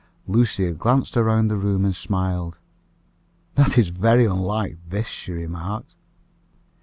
Lucia glanced around the room and smiled. "That is very unlike this," she remarked.